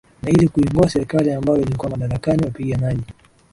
na ili kuingoa serikali ambayo ilikuwa madarakani Wapiganaji